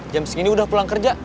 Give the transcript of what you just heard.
jam segini udah pulang kerja